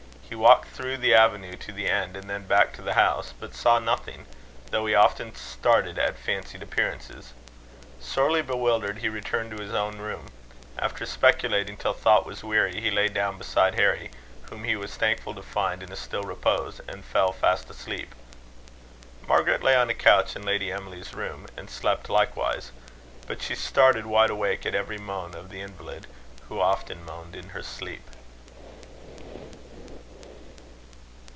He walked through the avenue to the end, and then back to the house, but saw nothing; though he often started at fancied appearances. Sorely bewildered, he returned to his own room. After speculating till thought was weary, he lay down beside Harry, whom he was thankful to find in a still repose, and fell fast asleep. Margaret lay on a couch in Lady Emily's room, and slept likewise; but she started wide awake at every moan of the invalid, who often moaned in her sleep.